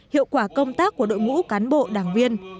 hiệu quả công tác của đội ngũ cán bộ đảng viên